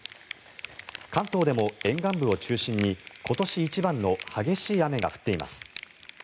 関東でも沿岸部を中心に今年一番の激しい雨が降っています。